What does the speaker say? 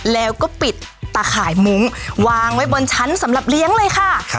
แล้วก็ปิดตะข่ายมุ้งวางไว้บนชั้นสำหรับเลี้ยงเลยค่ะ